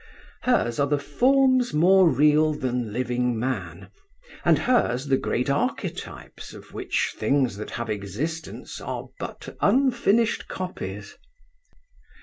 Hers are the "forms more real than living man," and hers the great archetypes of which things that have existence are but unfinished copies.